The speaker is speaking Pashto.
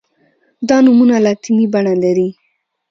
دا نومونه لاتیني بڼه لري.